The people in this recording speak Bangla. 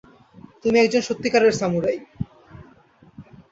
তুমি একজন সত্যিকারের সামুরাই!